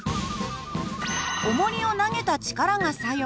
おもりを投げた力が作用。